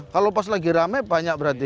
kalau pas lagi rame banyak berarti